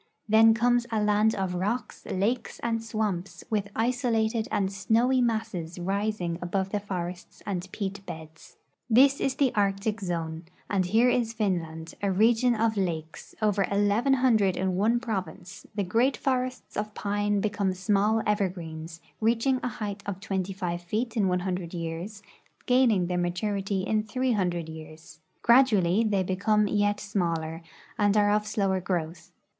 Then comes a land of rocks, lakes, and swam])s,with isolated and snowy masses rising above the forests and peat l)eds. This is the Arctic zone, and here is Finland, a region of lakes, over eleven hundred in one province ; the great forests of pine become small evergreens, reaching a height of 25 feet in 100 years, gaining their maturity in 300 years. Gradually they become yet smaller and are of slower growth.